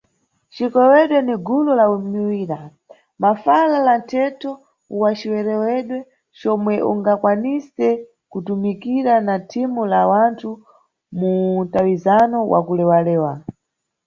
Cikewedwe ni gulu la miwira, mafala na mthetho wa cirewedwe comwe ungakwanise kutumikira na thimu la wanthu mu mtawizano wa kulewalewa.